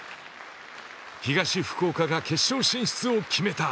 東福岡が決勝進出を決めた！